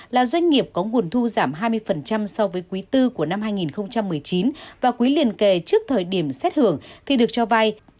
là doanh nghiệp có nguồn thu giảm hai mươi so với quý iv của năm hai nghìn một mươi chín và quý liền kề trước thời điểm xét hưởng thì được cho vay